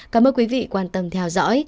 cảm ơn quý vị quan tâm theo dõi